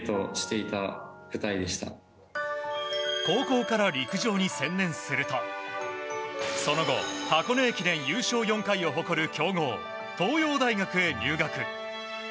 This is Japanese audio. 高校から陸上に専念するとその後、箱根駅伝優勝４回を誇る強豪東洋大学へ入学。